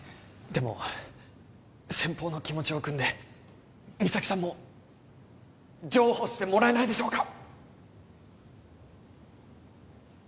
でも先方の気持ちをくんで三咲さんも譲歩してもらえないでしょうか